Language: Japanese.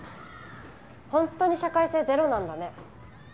本当に社会性ゼロなんだね。